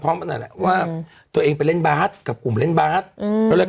พร้อมกันหน่อยล่ะว่าตัวเองไปเล่นบาร์สกับกลุ่มเล่นบาร์สอืม